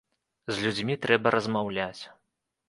З людзьмі трэба размаўляць.